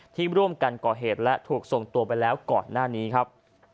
ที่ร่วมกันก่อเหตุและถูกส่งตัวไปแล้วก่อนหน้านี้ครับ